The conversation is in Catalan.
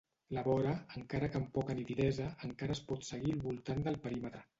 La vora, encara que amb poca nitidesa, encara es pot seguir al voltant del perímetre.